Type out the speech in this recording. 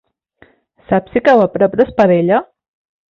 Saps si cau a prop d'Espadella?